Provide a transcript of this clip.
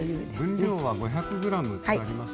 分量は５００ｇとありますが。